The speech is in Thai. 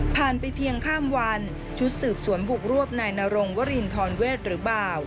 ไปเพียงข้ามวันชุดสืบสวนบุกรวบนายนรงวรินทรเวศหรือบ่าว